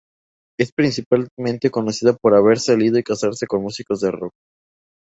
Es principalmente conocida por haber salido y casarse con músicos de rock.